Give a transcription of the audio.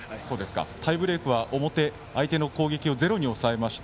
タイブレークは表の相手の攻撃をゼロに抑えました。